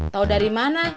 tau dari mana